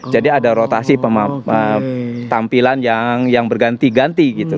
jadi ada rotasi tampilan yang berganti ganti gitu